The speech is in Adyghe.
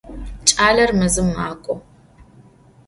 Ç'aler mezım mak'o.